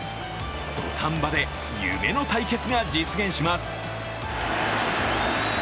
土壇場で夢の対決が実現します。